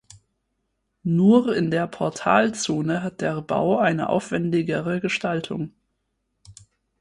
Nur in der Portalzone hat der Bau eine aufwändigere Gestaltung.